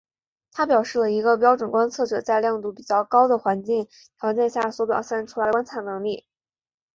它表示了一个标准观测者在亮度比较高的环境条件下所表现出来的观测能力。